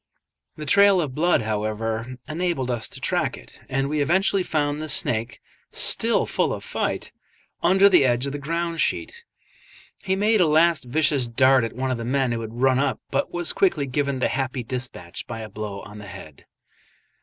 The trail of blood, however, enabled us to track it, and we eventually found the snake, still full of fight, under the edge of the ground sheet. He made a last vicious dart at one of the men who had run up, but was quickly given the happy despatch by a blow on the head.